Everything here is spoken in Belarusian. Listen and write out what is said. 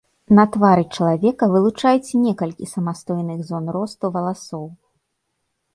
На твары чалавека, вылучаюць некалькі самастойных зон росту валасоў.